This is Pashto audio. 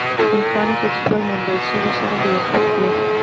امکان نشته، چې ټول موندل شوي شیان د یوه کس وي.